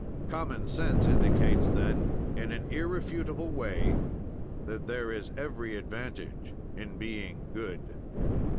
Common sense indicates then in an irrefutable way that there is every advantage in being good.